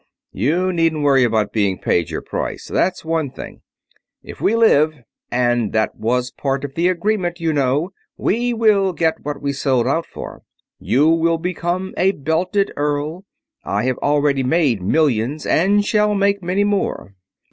"You needn't worry about being paid your price; that's one thing. If we live and that was part of the agreement, you know we will get what we sold out for. You will become a belted earl. I have already made millions, and shall make many more.